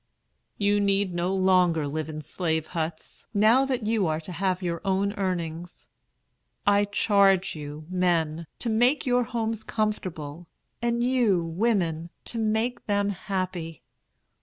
"You need no longer live in slave huts, now that you are to have your own earnings. I charge you, men, to make your homes comfortable, and you, women, to make them happy.